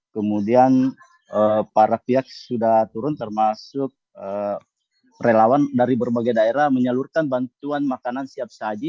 kemudian para pihak sudah turun termasuk relawan dari berbagai daerah menyalurkan bantuan makanan siap saji